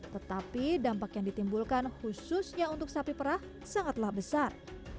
tetapi dampak yang ditimbulkan khususnya untuk sapi perah sangatlah besar